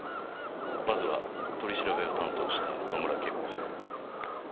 まずは取り調べを担当した野村警部補。